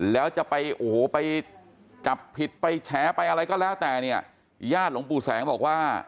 แล้วจะไปจับผิดไปแฉไปอะไรก็แล้วแต่ญาติหลงปู่แสงบอกว่า